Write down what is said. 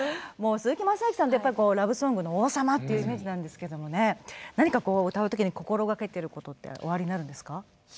鈴木雅之さんといえばラブソングの王様というイメージですけど歌う時に心がけていることはおありなんですか。